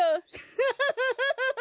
フフフフフフ。